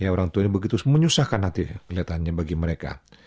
orang tua ini begitu menyusahkan hati kelihatannya bagi mereka